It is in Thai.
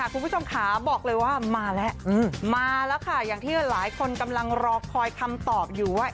คุณผู้ชมขาบอกเลยว่ามาแล้วมาแล้วค่ะอย่างที่หลายคนกำลังรอคอยคำตอบอยู่ว่า